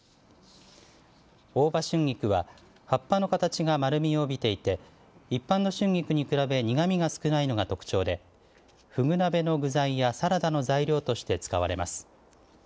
大葉春菊は葉っぱの形が、丸みを帯びていて一般の春菊に比べ苦味が少ないのが特徴でフグ鍋の具材やサラダの材料として使われます。